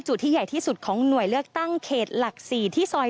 ที่ใหญ่ที่สุดของหน่วยเลือกตั้งเขตหลัก๔ที่ซอย